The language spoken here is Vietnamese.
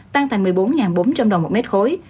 tăng thành một mươi bốn bốn trăm linh đồng một mét khối